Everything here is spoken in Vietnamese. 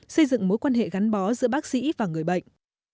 xây dựng mối quan hệ gắn bó giữa bác sĩ và người bệnh